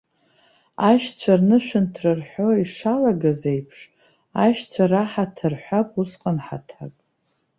Аишьцәа рнышәынҭра рҳәо ишалагаз аиԥш, аишьцәа раҳаҭа рҳәап усҟан, ҳаҭак.